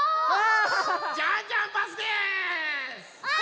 あ！